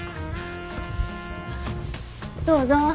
どうぞ。